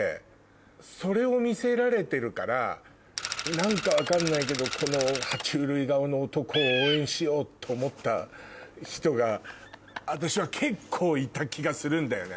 何か分かんないけどこの爬虫類顔の男を応援しようと思った人が私は結構いた気がするんだよね。